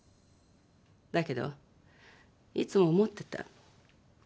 だけどいつも思ってた。